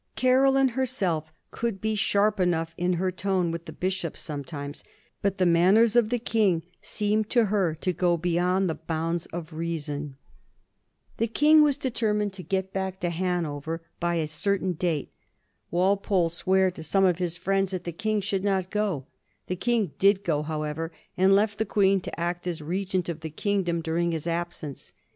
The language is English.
Caroline herself could be sharp enough in her tone with the bishops sometimes, but the manners of the King seemed to her to go beyond the bounds of reason. The King was determined to get back to Hanover by a certain date. Walpole swore to some of his friends that the King should not go. The King did go, however, and left the Queen to act as regent of the kingdom during his absence.